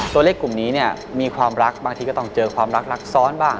กลุ่มนี้เนี่ยมีความรักบางทีก็ต้องเจอความรักรักซ้อนบ้าง